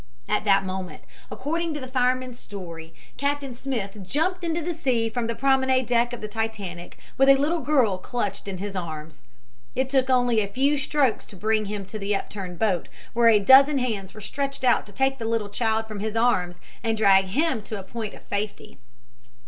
At that moment, according to the fireman's story, Captain Smith jumped into the sea from the promenade deck of the Titanic with a little girl clutched in his arms. It took only a few strokes to bring him to the upturned boat, where a dozen hands were stretched out to take the little child from his arms and drag him to a point of safety.